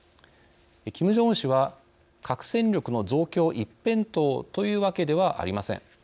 キム・ジョンウン氏は核戦力の増強一辺倒というわけではありません。